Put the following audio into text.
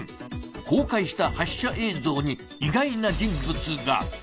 公開した発射映像に意外な人物が。